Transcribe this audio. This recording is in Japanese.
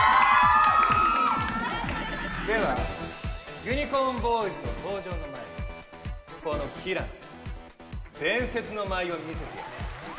ではユニコーンボーイズの登場の前にこのキラの伝説の舞を見せてやる。